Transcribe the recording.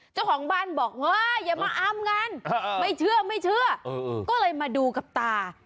เจ้าของบ้านบอกว่าอย่ามาอ้ามกันไม่เชื่อก็เลยมาดูกับตา